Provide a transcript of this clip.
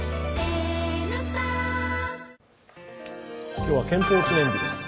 今日は憲法記念日です。